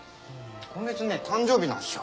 今月ね誕生日なんすよ。